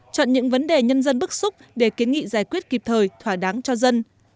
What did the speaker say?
chọn những vấn đề nhân dân bức xúc để kiến nghị giải quyết kịp thời thỏa đáng cho dân